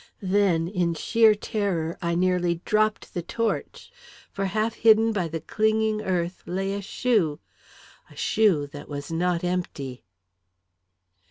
Then, in sheer terror, I nearly dropped the torch, for, half hidden by the clinging earth, lay a shoe a shoe that was not empty!